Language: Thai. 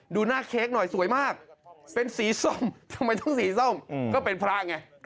ดูหน้าเค้กหน่อยสวยมากเป็นสีส้มทำไมต้องสีส้มก็เป็นพระไง